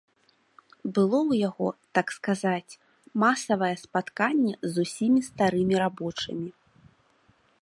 Было ў яго, так сказаць, масавае спатканне з усімі старымі рабочымі.